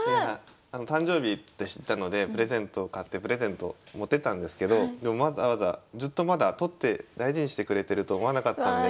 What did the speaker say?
誕生日って知ったのでプレゼントを買ってプレゼントを持っていったんですけどでもわざわざずっとまだ取って大事にしてくれてると思わなかったんで。